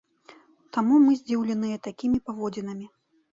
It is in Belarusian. Таму мы здзіўленыя такімі паводзінамі.